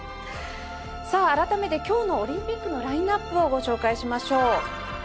改めて今日のオリンピックのラインアップをご紹介しましょう。